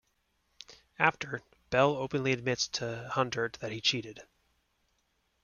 After, Bell openly admits to Hundert that he cheated.